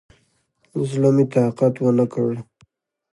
زړه مې طاقت ونکړ.